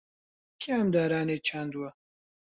کێ ئەم دارانەی چاندووە؟